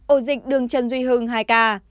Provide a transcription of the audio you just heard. ổ dịch đường trần duy hưng hai ca